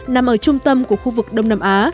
nằm ở trung tâm của khu vực đông nam á